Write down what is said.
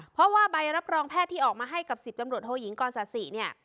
เพราะว่าใบรับรองแพทย์ที่ออกมาให้กับ๑๐ตำรวจโทยิงกรศาสิเนี่ย